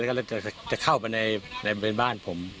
แล้วก็จะเข้าไปในบริเวณบ้านผม